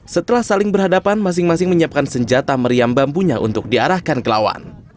setelah saling berhadapan masing masing menyiapkan senjata meriam bambunya untuk diarahkan ke lawan